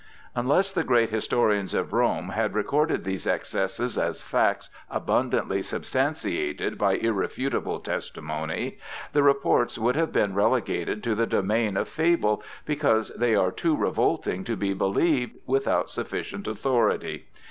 Unless the great historians of Rome had recorded these excesses as facts abundantly substantiated by irrefutable testimony, the reports would have been relegated to the domain of fable, because they are too revolting to be believed without sufficient authority.